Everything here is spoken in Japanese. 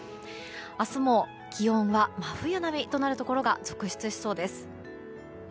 明日も気温は真冬並みとなるところが続出しそうです。